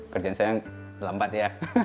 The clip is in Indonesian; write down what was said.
kerjaan saya lambat ya